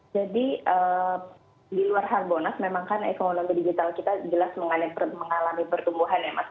jadi di luar hard bolnas memang kan ekonomi digital kita jelas mengalami pertumbuhan ya mas